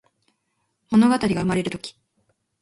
ものがたりがうまれるとき